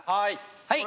はい！